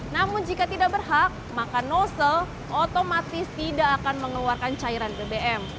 namun jika tidak berhak maka nozzle otomatis tidak akan mengeluarkan cairan bbm